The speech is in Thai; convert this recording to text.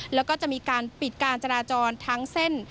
แล้วก็จะมีการปิดการจราจรทั้งเส้น